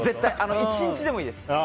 １日でもいいです。